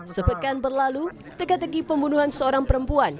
sepekan berlalu tegak tegi pembunuhan seorang perempuan